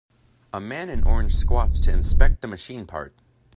A man in orange squats to inspect a machine part.